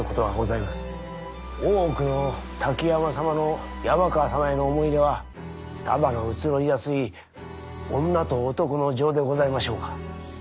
大奥の滝山様の山川様への思い入れはただの移ろいやすい女と男の情でございましょうか？